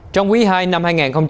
trong quý ii năm hai nghìn hai mươi hai